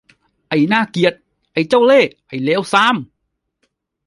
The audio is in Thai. ไอ้น่าเกลียด ไอ้เจ้าเล่ห์ ไอ้เลวทราม !